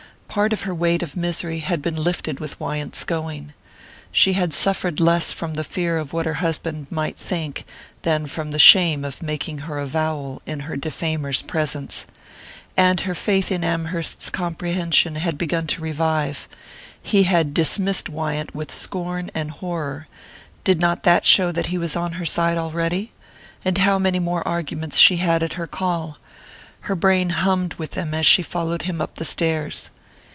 Part of her weight of misery had been lifted with Wyant's going. She had suffered less from the fear of what her husband might think than from the shame of making her avowal in her defamer's presence. And her faith in Amherst's comprehension had begun to revive. He had dismissed Wyant with scorn and horror did not that show that he was on her side already? And how many more arguments she had at her call! Her brain hummed with them as she followed him up the stairs.